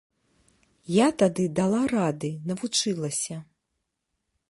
Я тады дала рады, навучылася.